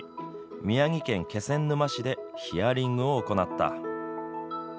宮城県気仙沼市でヒアリングを行った。